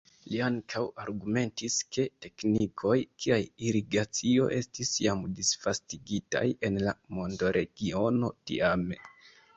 Li ankaŭ argumentis ke teknikoj kiaj irigacio estis jam disvastigitaj en la mondoregiono tiame.